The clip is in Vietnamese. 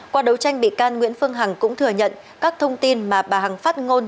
qua đấu tranh bị can nguyễn phương hằng cũng thừa nhận các thông tin mà bà hằng phát ngôn